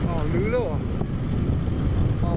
อ้าวลื้อแล้วหรือ